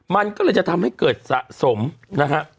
มันก็เลยจะทำให้เกิดสะสมนะฮะ